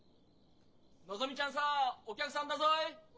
・のぞみちゃんさお客さんだぞい。